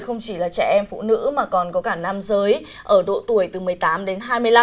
không chỉ là trẻ em phụ nữ mà còn có cả nam giới ở độ tuổi từ một mươi tám đến hai mươi năm